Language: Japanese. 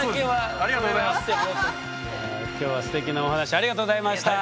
今日はステキなお話ありがとうございました。